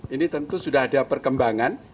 ini tentu sudah ada perkembangan